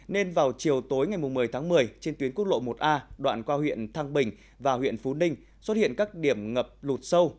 nên vào chiều tối ngày một mươi tháng một mươi trên tuyến quốc lộ một a đoạn qua huyện thăng bình và huyện phú ninh xuất hiện các điểm ngập lụt sâu